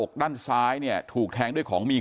กลุ่มตัวเชียงใหม่